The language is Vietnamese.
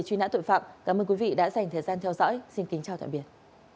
truy nã tội phạm cảm ơn quý vị đã dành thời gian theo dõi xin kính chào tạm biệt